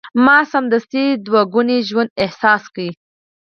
ما سمدستي ستا دوه ګونی ژوند احساس کړ.